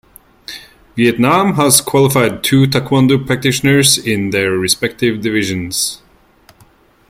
Vietnam has qualified two taekwondo practitioners in their respective divisions.